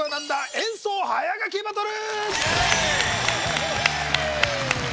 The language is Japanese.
演奏早書きバトル